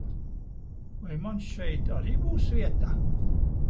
Vai man šeit arī būs vieta?